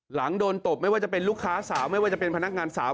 หลังโดนตบไม่ว่าจะเป็นลูกค้าสาวไม่ว่าจะเป็นพนักงานสาว